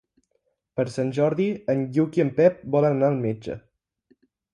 Per Sant Jordi en Lluc i en Pep volen anar al metge.